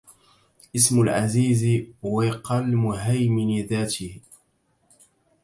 اسم العزيز وقى المهيمن ذاته